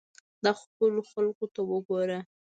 دا خپلو خلقو ته وګوره.